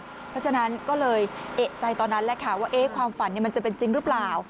เพราะฉะนั้นก็เลยเอกใจตอนนั้นแหละค่ะว่าความฝันมันจะเป็นจริงหรือเปล่า